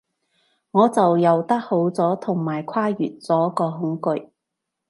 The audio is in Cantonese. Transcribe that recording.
我就游得好咗，同埋跨越咗個恐懼